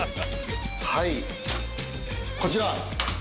はいこちら。